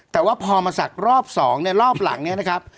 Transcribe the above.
แต่ว่าพอมาสักรอบ๒ในรอบหลังเนี่ยนะครับ